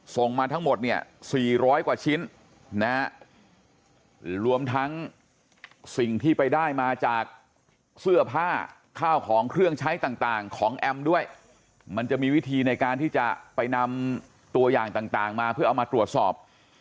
ส่งมาทั้งหมดเนี่ย๔๐๐กว่าชิ้นนะฮะรวมทั้งสิ่งที่ไปได้มาจากเสื้อผ้าข้าวของเครื่องใช้ต่างของแอมด้วยมันจะมีวิธีในการที่จะไปนำตัวอย่างต่างมาเพื่อเอามาตรวจสอบ